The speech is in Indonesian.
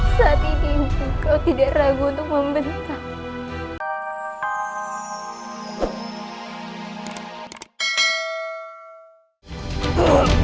saat ini ibu kau tidak ragu untuk membentak